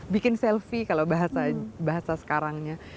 bikin selfie kalau bahasa sekarangnya